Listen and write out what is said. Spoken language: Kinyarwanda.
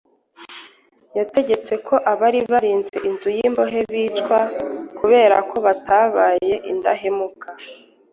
Yategetse ko abari barinze inzu y’imbohe bicwa kubera ko batabaye indahemuka.